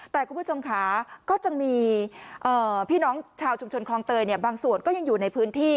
แต่คุณผู้ชมค่ะก็จะมีพี่น้องชาวชุมชนคลองเตยบางส่วนก็ยังอยู่ในพื้นที่